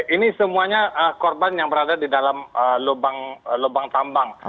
ini semuanya korban yang berada di dalam lubang tambang